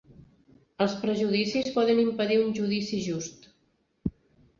Els prejudicis poden impedir un judici just.